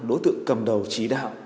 đối tượng cầm đầu trí đạo